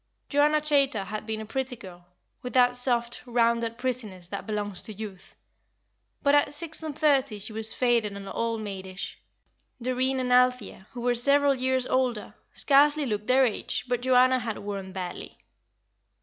Joanna Chaytor had been a pretty girl, with that soft, rounded prettiness that belongs to youth; but at six and thirty she was faded and old maidish. Doreen and Althea, who were several years older, scarcely looked their age, but Joanna had worn badly.